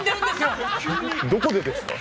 どこでですか？